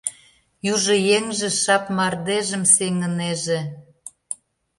Южо еҥже шап мардежым сеҥынеже.